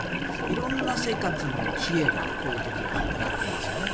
色んな生活の知恵がこういう時は働くんですね。